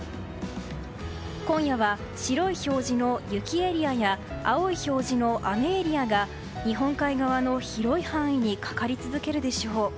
今夜は白い表示の雪エリアや青い表示の雨エリアが日本海側の広い範囲にかかり続けるでしょう。